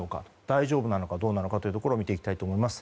大丈夫なのかどうなのか見ていきたいと思います。